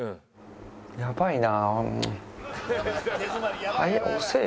やばいな。